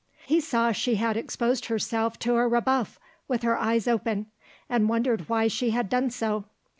He saw she had exposed herself to a rebuff with her eyes open, and wondered why she had done so.